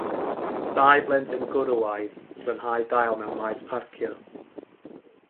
Dau blentyn gwrywaidd yn glanhau dail mewn maes parcio